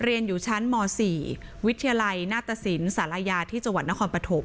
เรียนอยู่ชั้นม๔วิทยาลัยนาตสินศาลายาที่จังหวัดนครปฐม